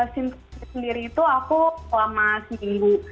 simptom sendiri itu aku selama seminggu